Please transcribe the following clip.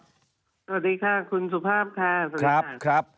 สวัสดีค่ะคุณสุภาพค่ะ